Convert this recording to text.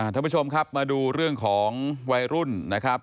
ท่านผู้ชมครับมาดูเรื่องของวัยรุ่นนะครับ